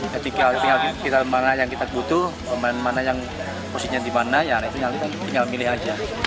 ketika tinggal mana yang kita butuh pemain mana yang posisinya di mana ya kita tinggal milih aja